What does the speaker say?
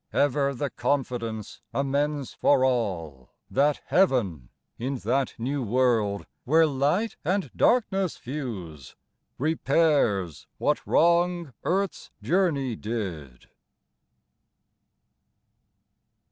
Ever the confidence amends for all That Heaven — in that new world where light and darkness fuse, — Repairs what wrong earth's journey did."